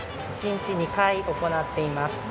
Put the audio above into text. １日２回行っています。